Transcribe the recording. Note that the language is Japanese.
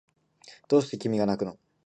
どうして君がなくの